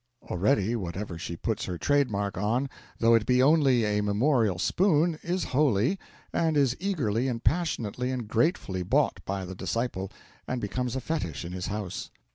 Already whatever she puts her trade mark on, though it be only a memorial spoon, is holy and is eagerly and passionately and gratefully bought by the disciple, and becomes a fetish in his house.